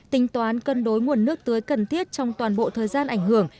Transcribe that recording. tính toán cân đối nguồn nước tưới cần thiết trong toàn bộ thời gian ảnh hưởng